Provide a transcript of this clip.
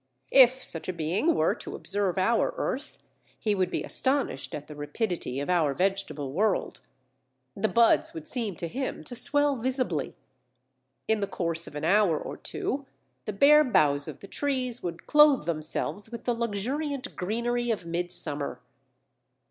If such a being were to observe our earth, he would be astonished at the rapidity of our vegetable world. The buds would seem to him to swell visibly; in the course of an hour or two, the bare boughs of the trees would clothe themselves with the luxuriant greenery of midsummer.